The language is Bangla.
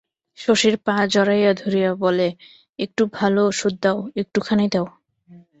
শশীর পা জড়াইয়া ধরিয়া বলে, একটু ভালো ওষুধ দাও, একটুখানি দাও।